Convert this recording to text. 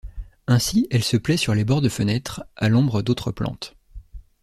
Ainsi, elle se plait sur les bords de fenêtre, à l'ombre d'autres plantes.